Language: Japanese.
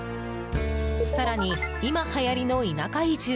更に今はやりの田舎移住